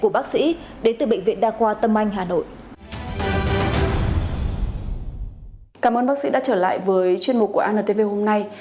cảm bác sĩ đã trở lại với chuyên mục của antv hôm nay